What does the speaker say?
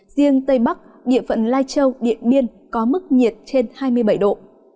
riêng tây bắc địa phận lai châu điện biên có mức nhiệt trên hai mươi bảy độ